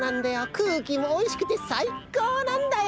くうきもおいしくてさいこうなんだよ！